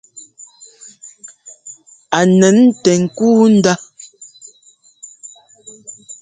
A nɛn tɛ ŋ́kúu ndá.